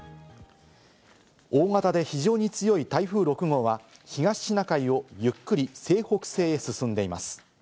大型で非常に強い台風６号は東シナ海をゆっくり西北西へ進んでいます。